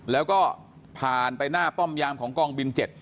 แล้วก็ผ่านไปหน้าป้อมยามของกองบิน๗